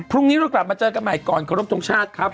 พรุ่งนี้เรากลับมาเจอกันใหม่ก่อนขอรบทรงชาติครับ